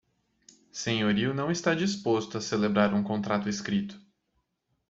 Senhorio não está disposto a celebrar um contrato escrito